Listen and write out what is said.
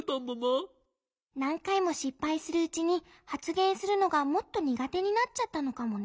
何かいもしっぱいするうちにはつげんするのがもっと苦手になっちゃったのかもね。